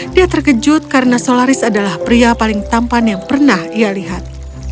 dia terkejut karena solaris adalah pria paling tampan yang pernah ia lihat